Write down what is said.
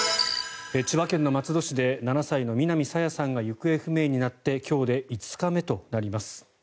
千葉県松戸市で７歳の南朝芽さんが行方不明になって今日で５日目となります。